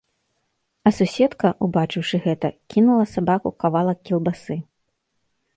А суседка, убачыўшы гэта, кінула сабаку кавалак кілбасы.